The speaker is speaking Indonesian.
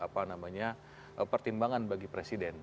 pertimbangan bagi presiden